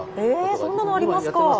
えそんなのありますか。